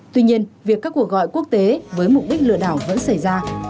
tuy nhiên việc các cuộc gọi quốc tế với mục đích lừa đảo vẫn xảy ra